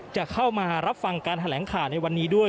จะเข้ามารับฟังการแถลงข่าวในวันนี้ด้วย